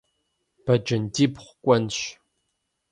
Бэджэндибгъу кӀуэнщ.